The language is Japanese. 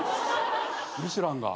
ミシュランが。